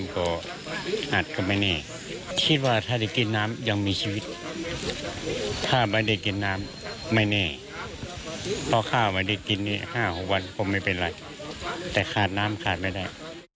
ผมไม่เป็นไรแต่คาดน้ำคาดไม่ได้